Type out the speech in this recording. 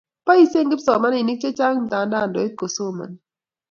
Boisie kipsomaninik che chang mtandaoit kosomonik.